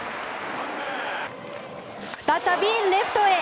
再びレフトへ。